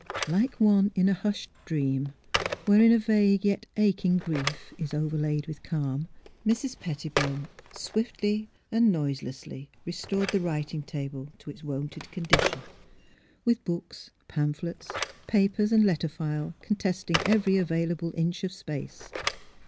Like one in a hushed dream, wherein a vague yet aching grief is overlaid with calm, Mrs. Petti bone swiftly and noiselessly restored the writing table to its wonted condition, with books, pam phlets, papers, and letter file contesting every available inch of space.